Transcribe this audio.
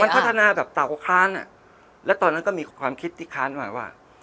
มันพัฒนาแบบเต่าค้านอ่ะแล้วตอนนั้นก็มีความคิดที่ค้านมาว่า